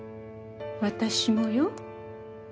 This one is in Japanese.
私もよ。